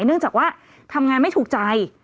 เนื่องจากว่าทำงานไม่ถูกใจ